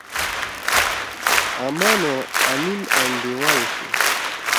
آمان او آمین اینڈیوال تھی۔